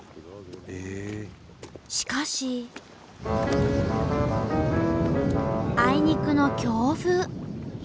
しかしあいにくの強風。